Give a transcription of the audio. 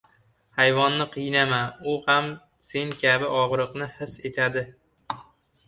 • Hayvonni qiynama, u ham sen kabi og‘riqni his etadi.